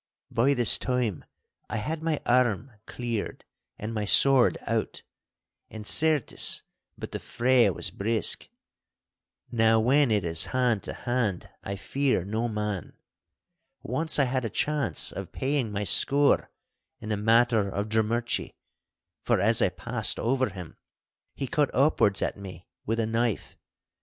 By this time I had my arm cleared and my sword out, and, certes, but the fray was brisk. Now, when it is hand to hand I fear no man. Once I had a chance of paying my score in the matter of Drummurchie, for as I passed over him he cut upwards at me with a knife.